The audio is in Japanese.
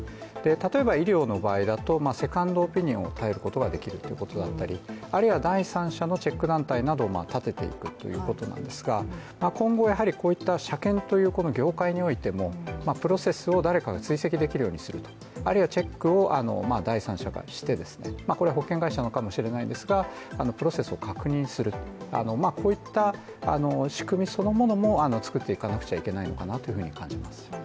例えば医療の場合だとセカンドオピニオンに頼ることができるということだったりあるいは第三者のチェック団体ということもあるんですが今後こういった車検という業界においてもプロセスを誰かが追跡できるようにするあるいはチェックを第三者がしてこれは保険会社かもしれないですがプロセスを確認する、こういった仕組みそのものも作っていかなければいけないのかなと感じます